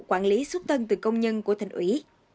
quản lý xuất tân từ công nhân của thành ủy